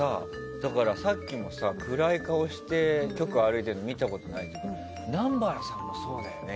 だから、さっきの暗い顔して局歩いてるのを見たことないって南原さんもそうだよね。